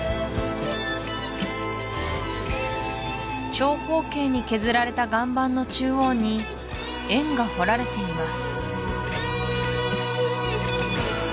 長方形に削られた岩盤の中央に円が彫られています